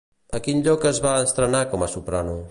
A quin lloc es va estrenar com a soprano?